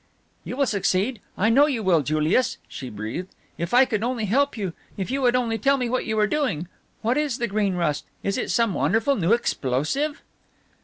"You will succeed, I know you will succeed, Julius," she breathed, "if I could only help you! If you would only tell me what you are doing! What is the Green Rust? Is it some wonderful new explosive?"